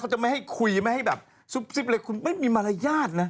จะไม่ให้คุยไม่ให้แบบซุบซิบเลยคุณไม่มีมารยาทนะ